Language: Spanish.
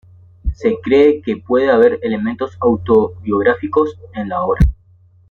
Se cree que puede haber elementos autobiográficos en la obra.